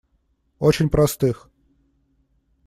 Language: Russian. Очень простых.